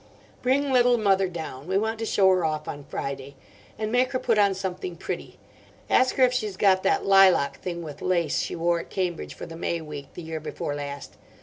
"Bring Little Mother down; we want to show her off on Friday. And make her put on something pretty. Ask her if she's got that lilac thing with lace she wore at Cambridge for the May Week the year before last.